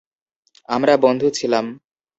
আমরা বন্ধু ছিলাম।